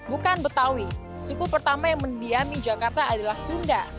bukan betawi suku pertama yang mendiami jakarta adalah sunda